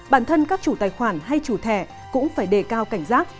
bản thân các chủ tài khoản hay chủ thẻ cũng phải đề cao cảnh giác